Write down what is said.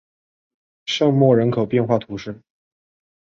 圣莫人口变化图示